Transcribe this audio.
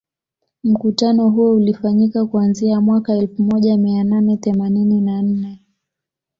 Mkutano huo ulifanyika kuanzia mwaka elfu moja mia nane themanini na nne